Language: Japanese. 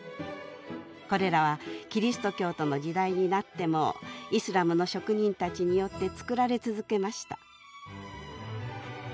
これらはキリスト教徒の時代になってもイスラムの職人たちによって作られ続けました。